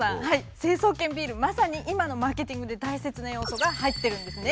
成層圏ビールまさに今のマーケティングで大切な要素が入ってるんですね。